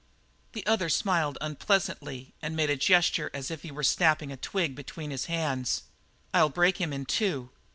The other smiled unpleasantly and made a gesture as if he were snapping a twig between his hands. "I'll break him in two."